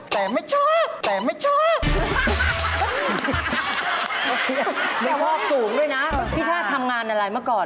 แต่ว่ากลุ่มด้วยนะพี่ชาติทำงานอะไรเมื่อก่อน